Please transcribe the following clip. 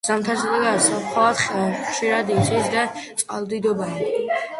ზამთარსა და გაზაფხულზე ხშირად იცის წყალმოვარდნა და წყალდიდობა.